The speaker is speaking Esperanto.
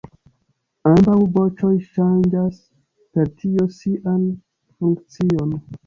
Ambaŭ voĉoj ŝanĝas per tio sian funkcion.